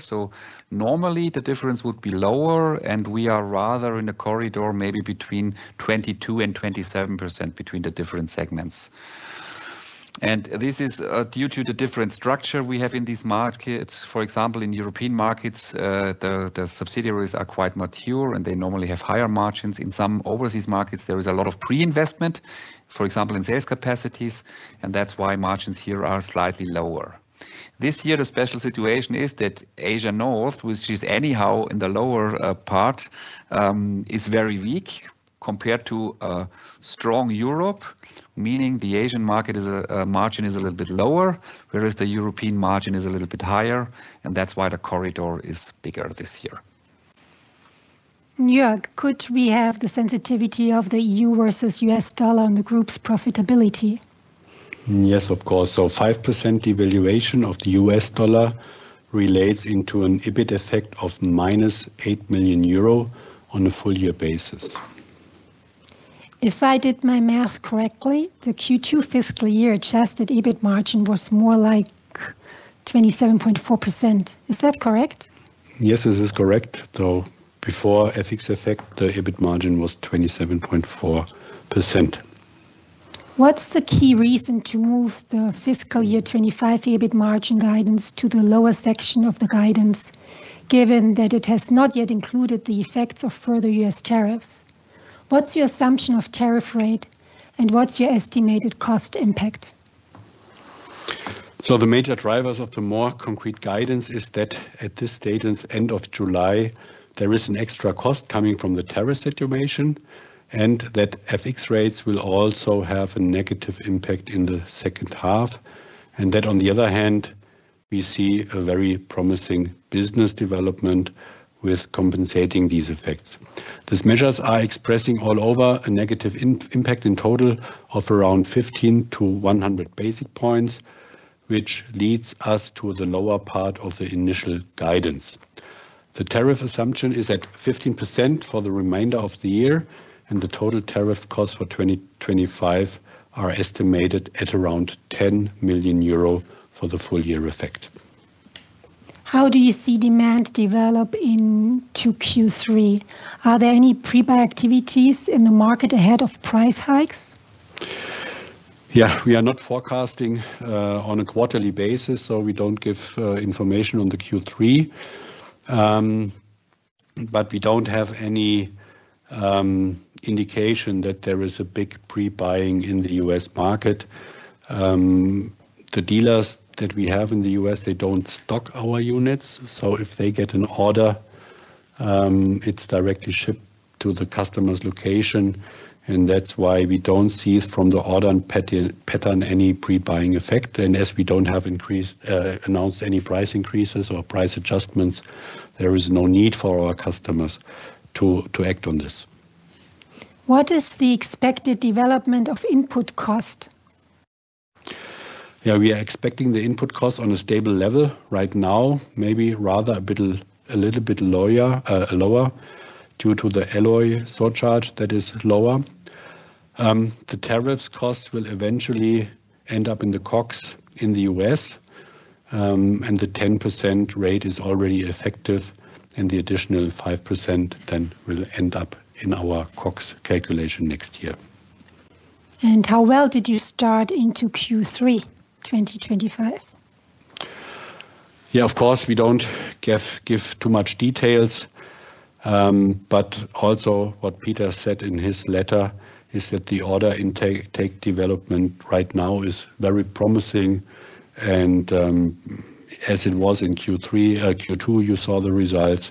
Normally, the difference would be lower, and we are rather in a corridor maybe between 22% and 27% between the different segments. This is due to the different structure we have in these markets. For example, in European markets, the subsidiaries are quite mature, and they normally have higher margins. In some overseas markets, there is a lot of pre-investment, for example, in sales capacities, and that's why margins here are slightly lower. This year, the special situation is that Asia North, which is anyhow in the lower part, is very weak compared to strong Europe, meaning the Asian market margin is a little bit lower, whereas the European margin is a little bit higher, and that's why the corridor is bigger this year. Jörg, could we have the sensitivity of the EU versus U.S. dollar on the group's profitability? Yes, of course. 5% devaluation of the U.S. dollar relates into an EBIT effect of -8 million euro on a full year basis. If I did my math correctly, the Q2 fiscal year adjusted EBIT margin was more like 27.4%. Is that correct? Yes, this is correct. Before FX effect, the EBIT margin was 27.4%. What's the key reason to move the fiscal year 2025 EBIT margin guidance to the lower section of the guidance, given that it has not yet included the effects of further U.S. tariffs? What's your assumption of tariff rate, and what's your estimated cost impact? The major drivers of the more concrete guidance is that at this statement's end of July, there is an extra cost coming from the tariff situation, and that FX rates will also have a negative impact in the second half. On the other hand, we see a very promising business development with compensating these effects. These measures are expressing overall a negative impact in total of around 15 basis points-100 basis points, which leads us to the lower part of the initial guidance. The tariff assumption is at 15% for the remainder of the year, and the total tariff costs for 2025 are estimated at around 10 million euro for the full year effect. How do you see demand develop into Q3? Are there any pre-buy activities in the market ahead of price hikes? Yeah, we are not forecasting on a quarterly basis, so we don't give information on the Q3. We don't have any indication that there is a big pre-buying in the U.S. market. The dealers that we have in the U.S., they don't stock our units. If they get an order, it's directly shipped to the customer's location. That's why we don't see from the order pattern any pre-buying effect. As we don't have announced any price increases or price adjustments, there is no need for our customers to act on this. What is the expected development of input cost? We are expecting the input cost on a stable level right now, maybe rather a little bit lower due to the alloy surcharge that is lower. The tariffs cost will eventually end up in the COGS in the U.S. The 10% rate is already effective, and the additional 5% will end up in our COGS calculation next year. How well did you start into Q3 2025? Of course, we don't give too much details. Also, what Peter said in his letter is that the order intake development right now is very promising. As it was in Q2, you saw the results.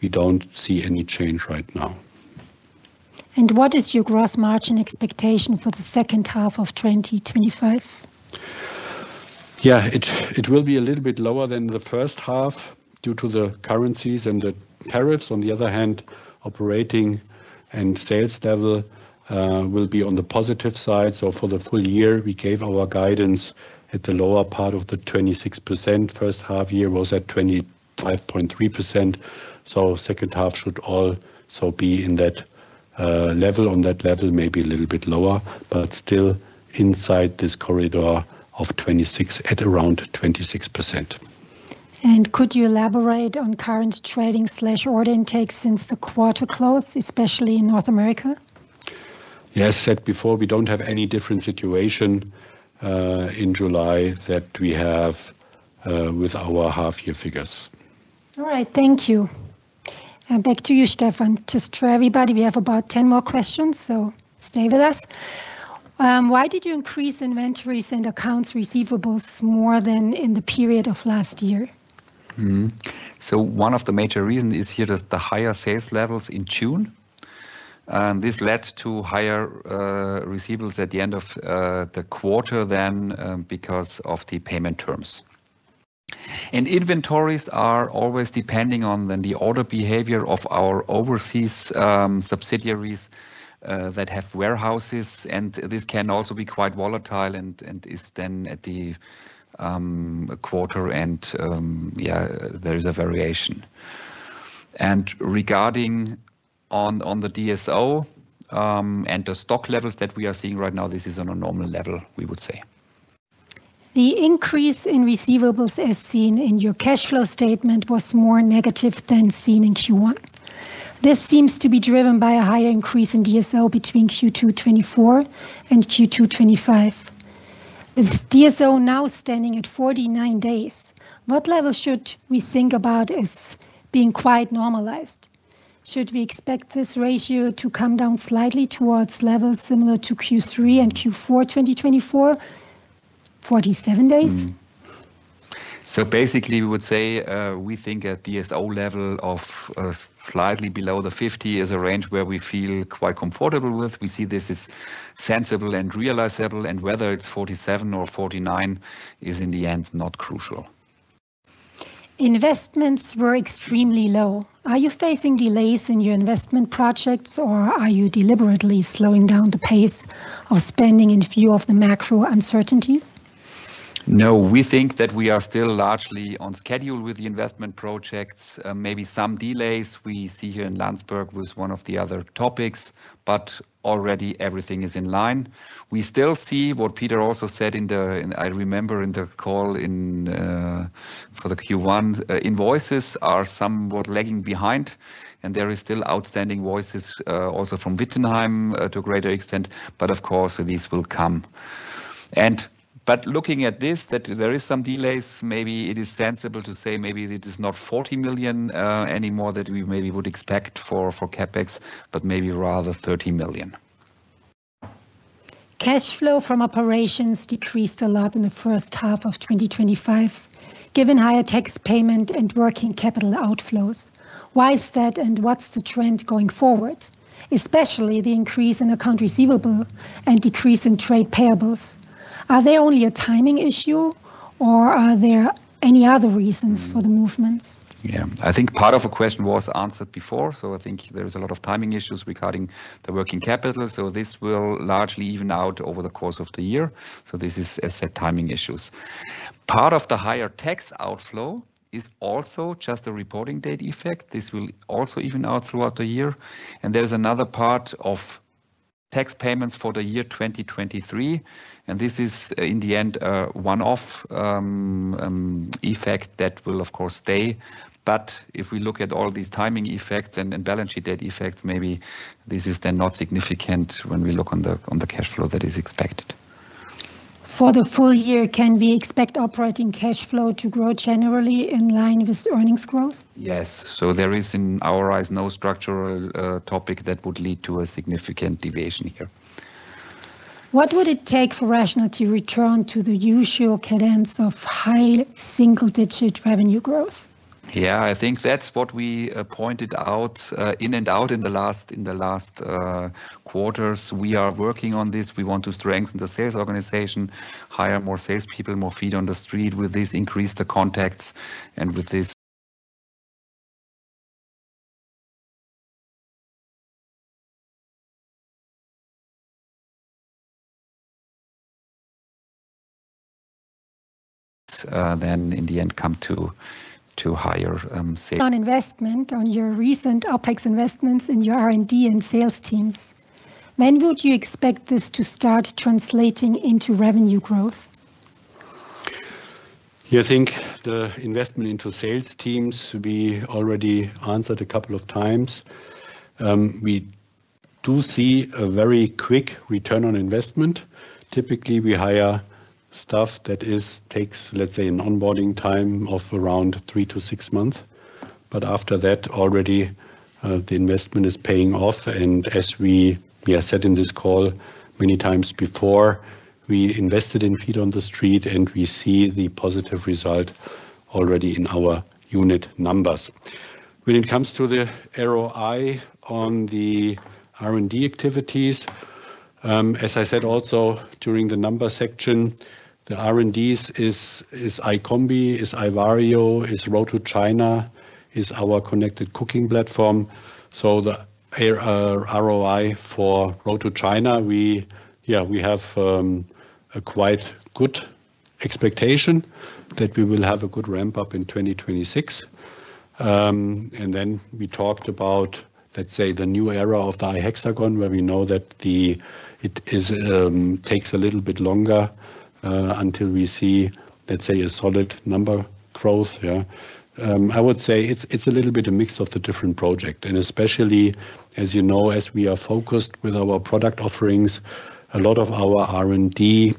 We don't see any change right now. What is your gross margin expectation for the second half of 2025? Yeah, it will be a little bit lower than the first half due to the currencies and the tariffs. On the other hand, operating and sales level will be on the positive side. For the full year, we gave our guidance at the lower part of the 26%. First half year was at 25.3%. Second half should also be in that level, on that level, maybe a little bit lower, but still inside this corridor of 26 at around 26%. Could you elaborate on current trading/order intake since the quarter closed, especially in North America? Yes, as I said before, we don't have any different situation in July that we have with our half-year figures. All right, thank you. Back to you, Stefan. Just for everybody, we have about 10 more questions, so stay with us. Why did you increase inventories and accounts receivables more than in the period of last year? One of the major reasons is here that the higher sales levels in June led to higher receivables at the end of the quarter than because of the payment terms. Inventories are always depending on the order behavior of our overseas subsidiaries that have warehouses. This can also be quite volatile and is then at the quarter end. There is a variation. Regarding the DSO and the stock levels that we are seeing right now, this is on a normal level, we would say. The increase in receivables as seen in your cash flow statement was more negative than seen in Q1. This seems to be driven by a higher increase in DSO between Q2 2024 and Q2 2025. With DSO now standing at 49 days, what level should we think about as being quite normalized? Should we expect this ratio to come down slightly towards levels similar to Q3 and Q4 2024, 47 days? We would say we think that DSO level of slightly below 50 is a range where we feel quite comfortable with. We see this as sensible and realizable, and whether it's 47 or 49 is in the end not crucial. Investments were extremely low. Are you facing delays in your investment projects, or are you deliberately slowing down the pace of spending in view of the macro uncertainties? No, we think that we are still largely on schedule with the investment projects. Maybe some delays we see here in Landsberg was one of the other topics, but already everything is in line. We still see what Peter also said in the, I remember in the call for the Q1, invoices are somewhat lagging behind, and there are still outstanding invoices also from Wittenheim to a greater extent. Of course, these will come. Looking at this, that there are some delays, maybe it is sensible to say maybe it is not 40 million anymore that we maybe would expect for CapEx, but maybe rather 30 million. Cash flow from operations decreased a lot in the first half of 2025, given higher tax payment and working capital outflows. Why is that, and what's the trend going forward, especially the increase in account receivable and decrease in trade payables? Are they only a timing issue, or are there any other reasons for the movements? I think part of the question was answered before. I think there are a lot of timing issues regarding the working capital. This will largely even out over the course of the year. This is, as I said, timing issues. Part of the higher tax outflow is also just a reporting date effect. This will also even out throughout the year. There's another part of tax payments for the year 2023, and this is in the end a one-off effect that will, of course, stay. If we look at all these timing effects and balance sheet date effects, maybe this is then not significant when we look on the cash flow that is expected. For the full year, can we expect operating cash flow to grow generally in line with earnings growth? Yes, there is in our eyes no structural topic that would lead to a significant deviation here. What would it take for RATIONAL to return to the usual cadence of high single-digit revenue growth? I think that's what we pointed out in the last quarters. We are working on this. We want to strengthen the sales organization, hire more salespeople, more feet on the street. With this, increase the contacts, and with this, then in the end come to higher sales. On investment on your recent operating expenses investments in your R&D and sales teams, when would you expect this to start translating into revenue growth? Yeah, I think the investment into sales teams, we already answered a couple of times. We do see a very quick return on investment. Typically, we hire staff that takes, let's say, an onboarding time of around three to six months. After that, already the investment is paying off. As we said in this call many times before, we invested in feet on the street, and we see the positive result already in our unit numbers. When it comes to the ROI on the R&D activities, as I said also during the number section, the R&D is iCombi, is iVario, is "Road to China", is our ConnectedCooking platform. The ROI for "Road to China", yeah, we have a quite good expectation that we will have a good ramp-up in 2026. We talked about, let's say, the new era of the iHexagon, where we know that it takes a little bit longer until we see, let's say, a solid number growth. I would say it's a little bit a mix of the different projects. Especially, as you know, as we are focused with our product offerings, a lot of our R&D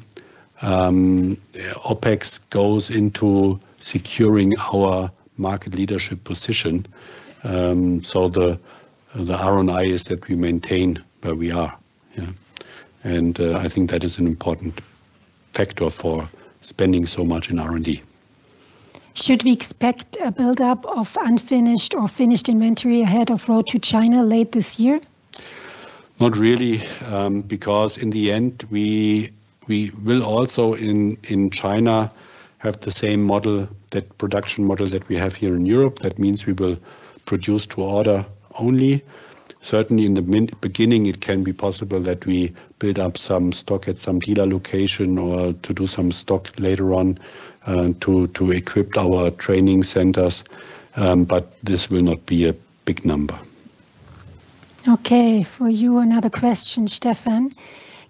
OpEx goes into securing our market leadership position. The ROI is that we maintain where we are. Yeah, I think that is an important factor for spending so much in R&D. Should we expect a build-up of unfinished or finished inventory ahead of "Road to China" late this year? Not really, because in the end, we will also in China have the same model, that production model that we have here in Europe. That means we will produce to order only. Certainly, in the beginning, it can be possible that we build up some stock at some dealer location or to do some stock later on to equip our training centers. This will not be a big number. Okay, for you, another question, Stefan.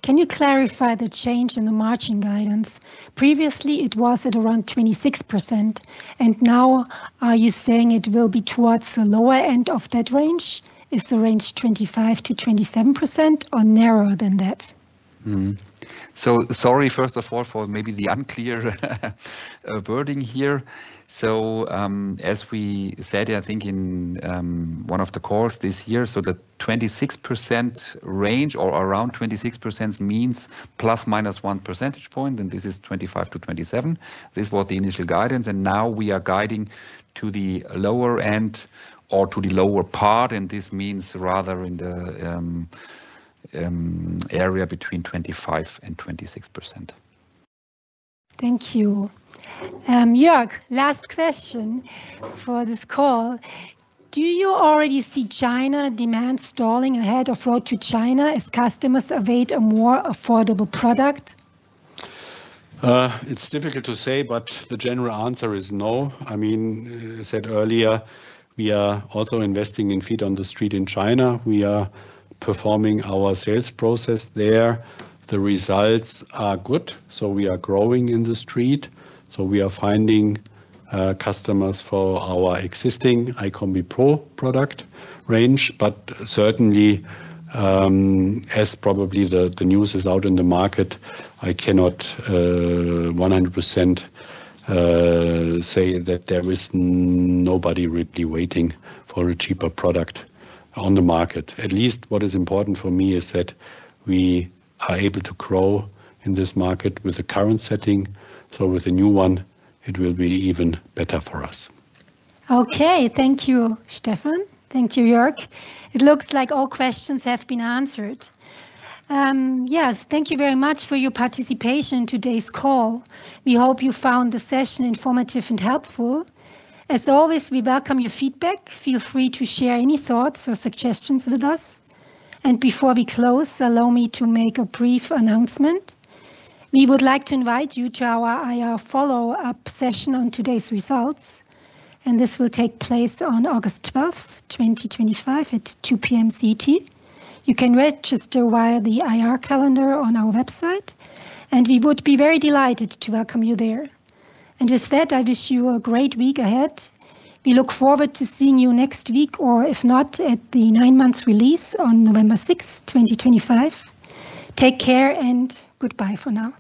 Can you clarify the change in the margin guidance? Previously, it was at around 26%, and now are you saying it will be towards the lower end of that range? Is the range 25%-27% or narrower than that? Sorry, first of all, for maybe the unclear wording here. As we said, I think in one of the calls this year, the 26% range or around 26% means ±1 percentage point, and this is 25%-27%. This was the initial guidance, and now we are guiding to the lower end or to the lower part, and this means rather in the area between 25% and 26%. Thank you. Jörg, last question for this call. Do you already see China demand stalling ahead of "Road to China" as customers await a more affordable product? It's difficult to say, but the general answer is no. I mean, I said earlier, we are also investing in feet on the street in China. We are performing our sales process there. The results are good, we are growing in the street. We are finding customers for our existing iCombi Pro product range, but certainly, as probably the news is out in the market, I cannot 100% say that there is nobody really waiting for a cheaper product on the market. At least what is important for me is that we are able to grow in this market with the current setting. With a new one, it will be even better for us. Okay, thank you, Stefan. Thank you, Jörg. It looks like all questions have been answered. Yes, thank you very much for your participation in today's call. We hope you found the session informative and helpful. As always, we welcome your feedback. Feel free to share any thoughts or suggestions with us. Before we close, allow me to make a brief announcement. We would like to invite you to our follow-up session on today's results. This will take place on August 12th, 2025, at 2:00 P.M. CET. You can register via the IR calendar on our website, and we would be very delighted to welcome you there. With that, I wish you a great week ahead. We look forward to seeing you next week, or if not, at the nine-month release on November 6th, 2025. Take care and goodbye for now.